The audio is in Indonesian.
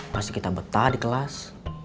masih kita betah di kelas